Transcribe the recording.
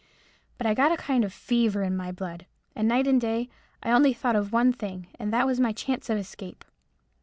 But I got a kind of fever in my blood, and night and day I only thought of one thing, and that was my chance of escape.